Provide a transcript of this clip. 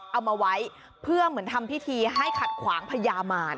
เอามาไว้เพื่อเหมือนทำพิธีให้ขัดขวางพญามาร